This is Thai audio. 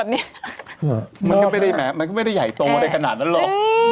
ไม่ใช่ค่ะอะไรแบบนี้ชอบนะครับมันก็ไม่ได้ใหญ่โตในขนาดนั้นหรอก